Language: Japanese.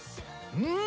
うん！